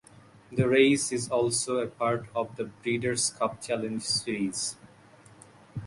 The race is also a part of the Breeders' Cup Challenge series.